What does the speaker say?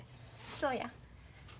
そうや。